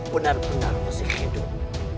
benar benar masih hidup